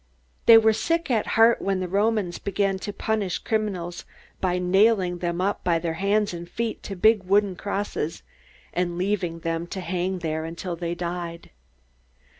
They were sick at heart when the Romans began to punish criminals by nailing them up by their hands and feet to big wooden crosses, and leaving them to hang there until they died.